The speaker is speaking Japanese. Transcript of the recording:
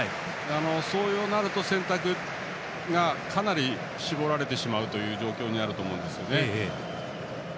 そうなると選択がかなり絞られてしまう状況になると思いますね。